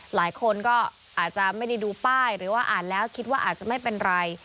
หลายคนก็อาจจะไม่ได้ดูป้ายหรือว่าอ่านแล้วคิดว่าอาจจะไม่เป็นไร